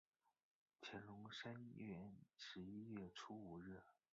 乾隆三年十一月初五日。